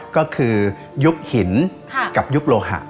ก็คือยุคหินกับยุคโลหะ